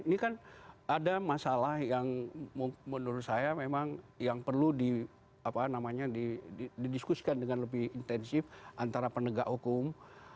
ini kan ada masalah yang menurut saya memang yang perlu didiskusikan dengan lebih intensif antara penegak hukum